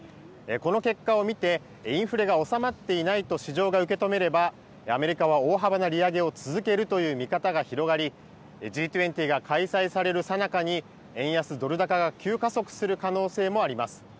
この結果を見て、インフレが収まっていないと市場が受け止めれば、アメリカは大幅な利上げを続けるという見方が広がり、Ｇ２０が開催されるさなかに円安ドル高が急加速する可能性もあります。